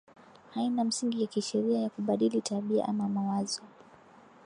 haina misingi ya kisheria ya kubadili tabia ama mawazo